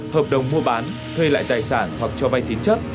hợp đồng mua bán thuê lại tài sản hoặc cho vai tín chất